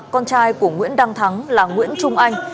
con trai của nguyễn đăng thắng là nguyễn trung anh